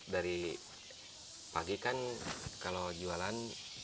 dari pagi kan kalau jualan